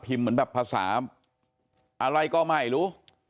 เหมือนแบบภาษาอะไรก็ไม่รู้